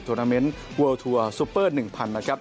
โทรแมนต์วอลทัวร์สุปเปอร์หนึ่งพันนะครับ